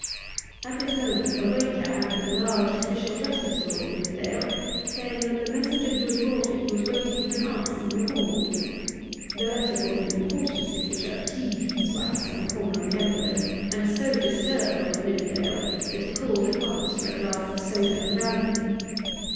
At this moment a waiter handed a large official letter to Lord Nidderdale, saying that the messenger who had brought it was waiting for an answer in the hall. The letter bore the important signature of T. Beeswax on the corner of the envelope, and so disturbed Lord Nidderdale that he called at once for a glass of soda and brandy.